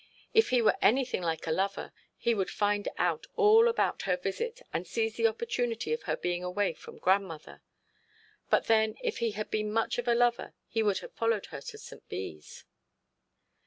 'If he were anything like a lover he would find out all about her visit, and seize the opportunity of her being away from grandmother. But then if he had been much of a lover he would have followed her to St. Bees.'